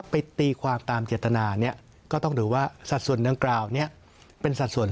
ไปตีความตามจัดทนาก็ต้องถือว่าสัดส่วนดังกล่าวเป็นสัดส่วน